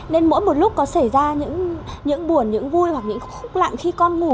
nên mỗi một lúc có xảy ra những buồn những vui hoặc những khúc lặng khi con ngủ